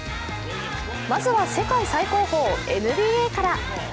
まずは世界最高峰・ＮＢＡから。